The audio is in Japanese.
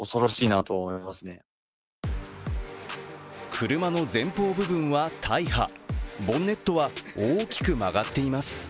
車の前方部分は大破、ボンネットは大きく曲がっています。